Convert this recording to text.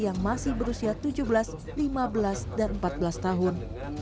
yang masih berusia tujuh belas lima belas dan empat belas tahun